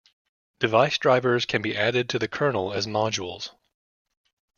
Device drivers can be added to the kernel as modules.